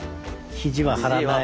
肘は張らない。